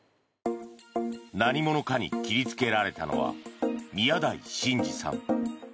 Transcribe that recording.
何者かに切りつけられたのは宮台真司さん。